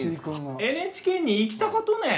ＮＨＫに行きたかとね。